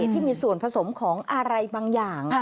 ที่มีส่วนผสมของอะไรบางอย่าง